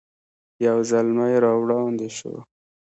یو زلمی را وړاندې شو.